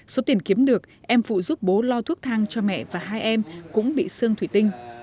số tiền kiếm được em phụ giúp bố lo thuốc thang cho mẹ và hai em cũng bị xương thủy tinh